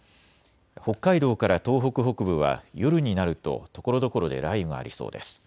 北海道から東北北部は夜になるとところどころで雷雨がありそうです。